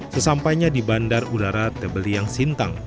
sesampainya di bandar udara tebeliang sintang